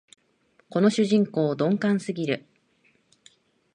この主人公、鈍感すぎる